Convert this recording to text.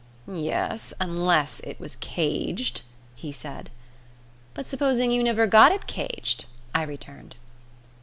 "Yes, unless it was caged," he said. "But supposing you never got it caged," I returned.